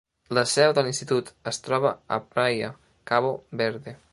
La seu de l'institut es troba a Praia, Cabo Verde.